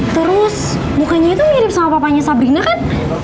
terus mukanya tuh mirip sama papanya sabrina kan